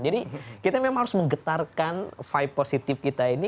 jadi kita memang harus menggetarkan vibe positif kita ini